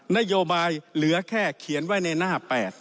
นโยบายเหลือแค่เขียนไว้ในหน้า๘